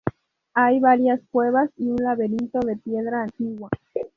Hay varias cuevas y un laberinto de piedra antigua.